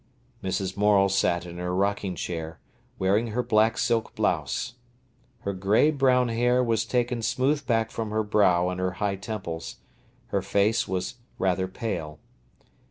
Mrs. Morel sat in her rocking chair, wearing her black silk blouse. Her grey brown hair was taken smooth back from her brow and her high temples; her face was rather pale.